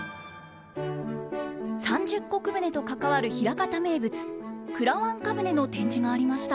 三十石船と関わる枚方名物「くらわんか舟」の展示がありました。